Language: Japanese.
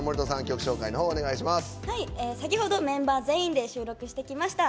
先ほどメンバー全員で収録してきました。